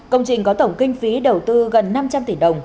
công trình có tổng kinh phí đầu tư gần năm trăm linh tỷ đồng